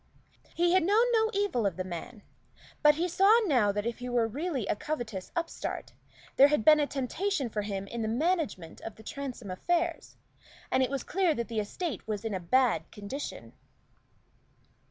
He had known no evil of the man; but he saw now that if he were really a covetous upstart, there had been a temptation for him in the management of the Transome affairs; and it was clear that the estate was in a bad condition.